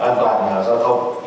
an toàn giao thông